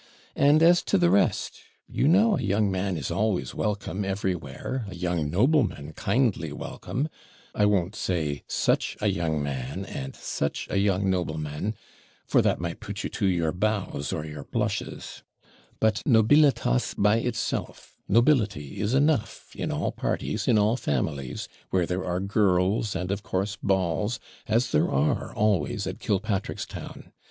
And as to the rest, you know a young man is always welcome every where, a young nobleman kindly welcome, I won't say such a young man, and such a young nobleman, for that might put you to pour bows or your blushes but NOBILITAS by itself, nobility is enough in all parties, in all families, where there are girls, and of course balls, as there are always at Killpatrickstown.